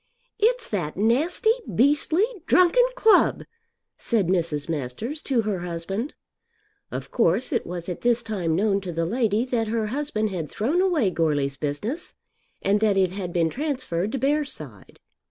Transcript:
"It's that nasty, beastly, drunken club," said Mrs. Masters to her husband. Of course it was at this time known to the lady that her husband had thrown away Goarly's business and that it had been transferred to Bearside.